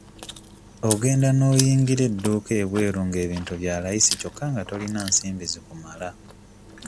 Ogenda n'oyingira edduuka ebweru nga ebintu bya layisi kyokka nga tolina nsimbi zikumala.